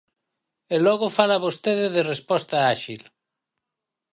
E logo fala vostede de resposta áxil.